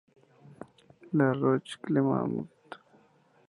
La Roche-Clermault